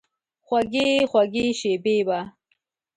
خوږې، خوږې شیبې به،